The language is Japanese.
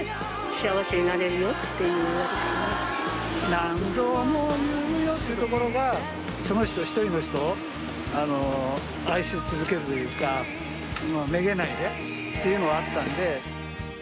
「何度も言うよ」というところがその人１人の人を愛し続けるというかめげないでっていうのはあったんで。